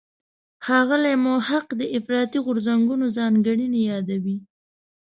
ښاغلی محق د افراطي غورځنګونو ځانګړنې یادوي.